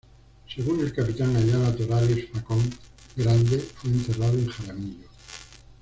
Según el capitán Ayala Torales, Facón Grande fue enterrado en Jaramillo.